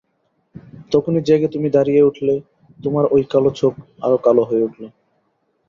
তখনই জেগে তুমি দাঁড়িয়ে উঠলে, তোমার ঐ কালো চোখ আরো কালো হয়ে উঠল।